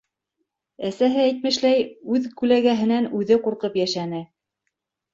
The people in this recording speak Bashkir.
Әсәһе әйтмешләй, үҙ күләгәһенән үҙе ҡурҡып йәшәне.